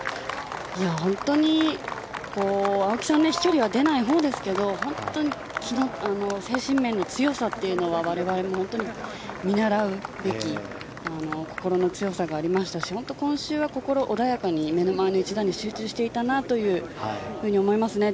本当に青木さん飛距離は出ないほうですけど本当に精神面の強さというのは我々も見習うべき心の強さがありましたし今週は本当に心穏やかに目の前の一打に集中していたなというふうに思いますね。